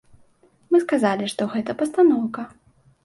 Мы сказалі, што гэта пастаноўка.